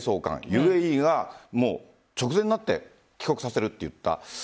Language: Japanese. ＵＡＥが直前になって帰国させると言った。